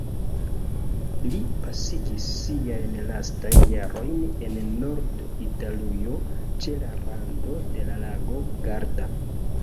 Li pasigis siajn lastajn jarojn en Nord-Italujo ĉe la rando de lago Garda.